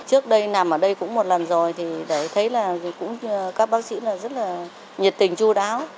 trước đây nằm ở đây cũng một lần rồi thì để thấy là các bác sĩ rất là nhiệt tình chú đáo